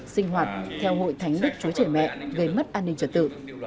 sinh hoạt theo hội thánh đức chúa trời mẹ gây mất an ninh trật tự